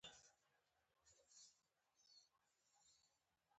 نه شي کولای چې د يوې ترخې خبرې توان ولري.